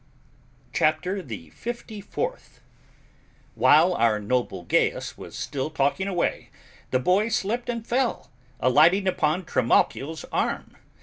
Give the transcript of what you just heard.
CHAPTER THE FIFTY FOURTH. While our noble Gaius was still talking away, the boy slipped and fell, alighting upon Trimalchio's arm.